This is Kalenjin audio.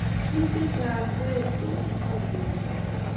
Biik chechang koestos koam bendo